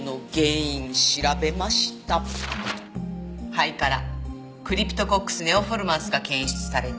肺からクリプトコックス・ネオフォルマンスが検出された。